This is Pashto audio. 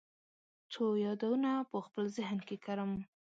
څو یادونه په خپل ذهن کې کرم